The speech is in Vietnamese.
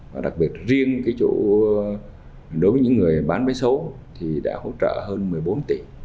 và đặc biệt riêng chỗ đối với những người bán máy xấu đã hỗ trợ hơn một mươi bốn tỷ